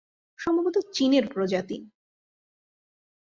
সম্ভবত চিনের প্রজাতি।